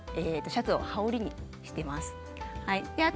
シャツを羽織りにしています。